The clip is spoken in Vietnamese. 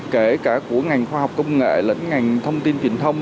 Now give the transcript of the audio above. kể cả của ngành khoa học công nghệ lẫn ngành thông tin truyền thông